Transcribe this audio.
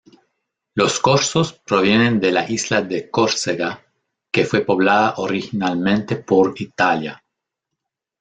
Los corsos provienen de la isla de Córcega que fue poblada originalmente por Italia.